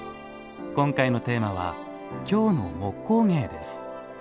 今回のテーマは「京の木工芸」です。